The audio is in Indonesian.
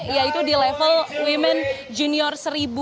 yaitu di level women junior seribu